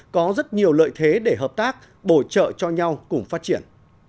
có rất nhiều lợi thế để hợp tác bổ trợ cho nhau cùng phát triển